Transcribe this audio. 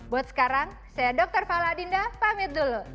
buat sekarang saya dr fala dinda pamit dulu